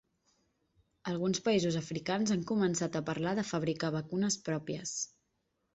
Alguns països africans han començat a parlar de fabricar vacunes pròpies.